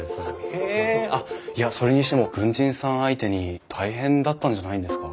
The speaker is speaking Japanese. へえあっそれにしても軍人さん相手に大変だったんじゃないんですか？